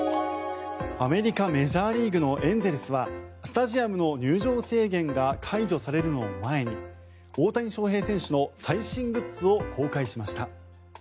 アメリカ・メジャーリーグのエンゼルスはスタジアムの入場制限が解除されるのを前に大谷翔平選手の最新グッズを公開しました。